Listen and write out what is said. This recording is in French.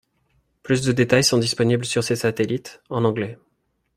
Plus de détails sont disponibles sur ces satellites, en anglais.